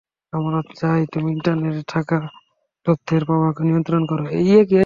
আমরা চাই, তুমি ইন্টারনেটে থাকা তথ্যের প্রবাহকে নিয়ন্ত্রণ করো!